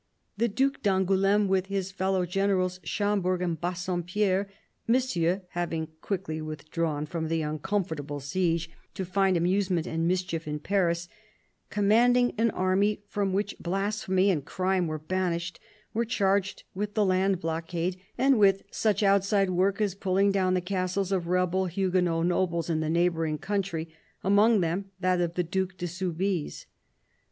The Due d'Angouleme, with his fellow generals Schom berg and Bassompierre — Monsieur having quickly with drawn from the uncomfortable siege to find amusement and mischief in Paris — commanding an army from which blasphemy and crime were banished, were charged with the land blockade and with such outside work as pulling down the castles of rebel Huguenot nobles in the neigh bouring country — among them that of the Due de Soubise.